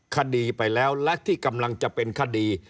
คดีไปแล้วและที่กำลังจะเป็นคดี